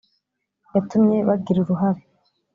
yatumye bagira uruhare